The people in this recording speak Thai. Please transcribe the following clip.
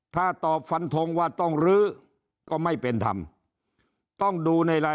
ถ้าตอบฟันทงว่าต้องลื้อก็ไม่เป็นธรรมต้องดูในราย